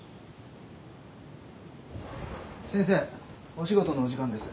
お仕事のお時間です。